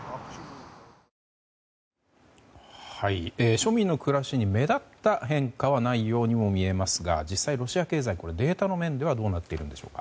庶民の暮らしに目立った変化はないようにも見えますが実際、ロシア経済はデータの面ではどうなっているんでしょうか。